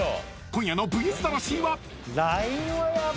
［今夜の『ＶＳ魂』は］